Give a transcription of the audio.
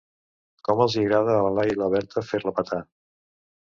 Com els hi agrada a la Laia i la Berta fer-la petar.